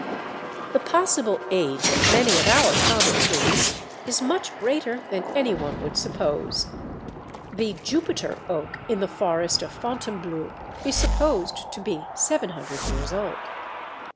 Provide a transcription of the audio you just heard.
The possible age of many of our common trees is much greater than any one would suppose. The "Jupiter" oak in the forest of Fontainebleau is supposed to be 700 years old.